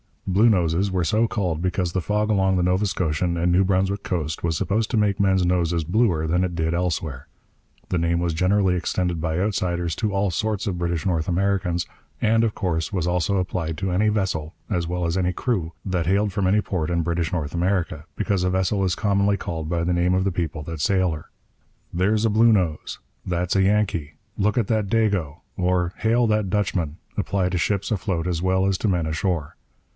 Bluenoses were so called because the fog along the Nova Scotian and New Brunswick coast was supposed to make men's noses bluer than it did elsewhere. The name was generally extended by outsiders to all sorts of British North Americans; and, of course, was also applied to any vessel, as well as any crew, that hailed from any port in British North America, because a vessel is commonly called by the name of the people that sail her. 'There's a Bluenose,' 'that's a Yankee,' 'look at that Dago,' or 'hail that Dutchman' apply to ships afloat as well as to men ashore.